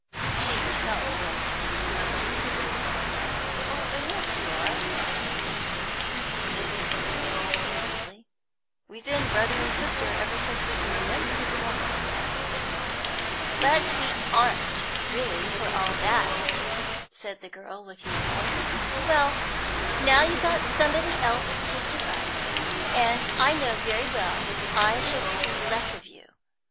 She herself meant it to be pleasant. "Oh yes, you are, Harriet," he insisted good humouredly. "We've been brother and sister ever since we can remember, haven't we?" "But we aren't really, for all that," said the girl, looking away. "Well, now you've got somebody else to take you up, I know very well I shall see less of you.